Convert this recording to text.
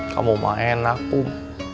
kamu mah enak pum